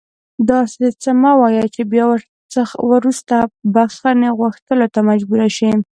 داسې څه مه وایه چې بیا وروسته بښنې غوښتلو ته مجبور شې